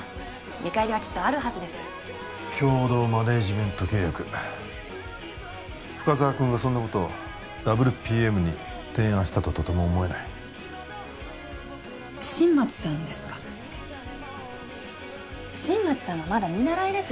見返りはきっとあるはずです共同マネージメント契約深沢君がそんなことをＷＰＭに提案したととても思えない新町さんですか新町さんはまだ見習いですよ